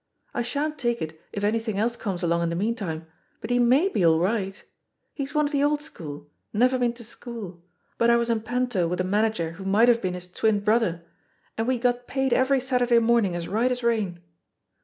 I shan't take it if anything else comes along in the meantime, but he maff be all right. He's one of the old school — ^never been to school; but I was in panto with a manager who might have been his twin brother, and we 88 JHE POSITION OF PEGGY HARPER got paid every Saturday morning as right as rain.